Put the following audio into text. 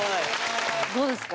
どうですか？